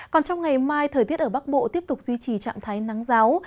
còn trong ngày mai thời tiết ở bắc bộ tiếp tục duy trì trạng thái nắng giáo